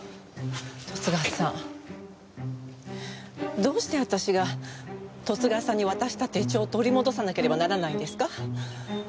十津川さんどうして私が十津川さんに渡した手帳を取り戻さなければならないんですか？